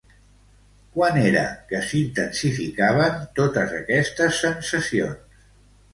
Quan era que s'intensificaven totes aquestes sensacions?